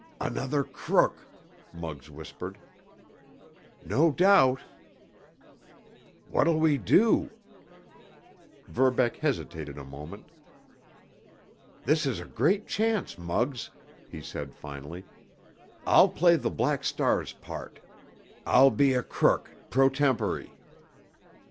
"Another crook," Muggs whispered. "No doubt." "What'll we do?" Verbeck hesitated a moment. "This is a great chance, Muggs," he said finally. "I'll play the Black Star's part. I'll be a crook pro tempore."